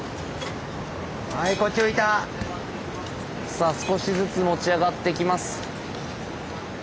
さあ少しずつ持ち上がってきます。